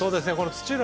土浦